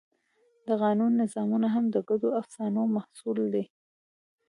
د قانون نظامونه هم د ګډو افسانو محصول دي.